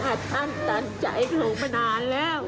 ท่านตันใจเขามานานแล้ว